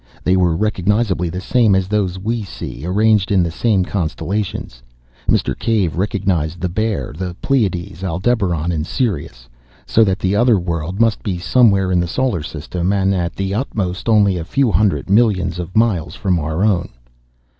They were recognisably the same as those we see, arranged in the same constellations. Mr. Cave recognised the Bear, the Pleiades, Aldebaran, and Sirius: so that the other world must be somewhere in the solar system, and, at the utmost, only a few hundreds of millions of miles from our own.